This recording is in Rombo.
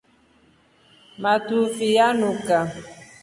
Matuvi nyanuka.